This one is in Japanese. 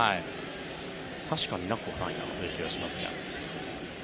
確かになくはないなという気がしますが。